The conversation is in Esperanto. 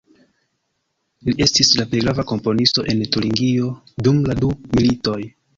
Li estis la plej grava komponisto en Turingio dum la du militoj.